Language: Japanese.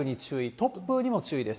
突風にも注意です。